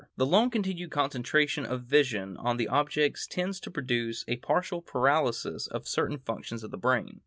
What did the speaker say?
The long continued concentration of vision on an object tends to produce a partial paralysis of certain functions of the brain.